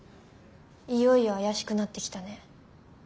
いよいよ怪しくなってきたね。